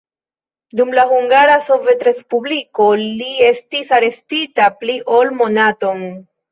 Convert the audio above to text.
Dum la Hungara Sovetrespubliko li estis arestita pli ol monaton.